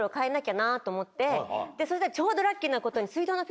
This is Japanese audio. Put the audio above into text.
そしたらちょうどラッキーなことに。